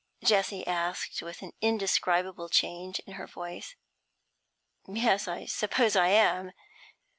Jessie asked, an indescribable change in her voice. 'Yes, I suppose I am.